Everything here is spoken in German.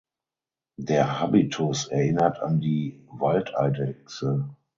Der Habitus erinnert an die Waldeidechse.